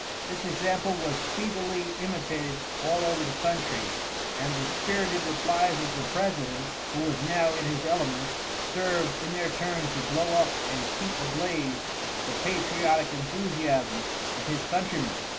This example was speedily imitated all over the country, and the spirited replies of the president, who was now in his element, served in their turn to blow up and keep ablaze the patriotic enthusiasm of his countrymen.